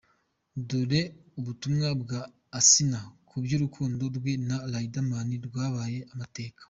Dore ubutumwa bwa Asnah ku by’urukundo rwe na Riderman rwabaye amateka:.